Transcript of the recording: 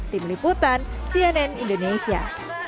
tim liputan cnn indonesia